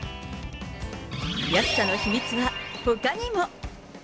安さの秘密はほかにも。